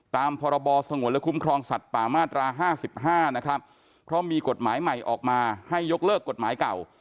ตามพรบสงวนและคุ้มครองสัตว์ป่ามาตรา๕๕นะครับเพราะมีกฎหมายใหม่ออกมาให้ยกเลิกกฎหมายเก่า